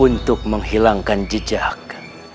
untuk menghilangkan jejak